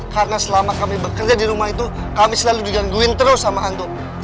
karena selama kami bekerja di rumah itu kami selalu digangguin terus sama hantu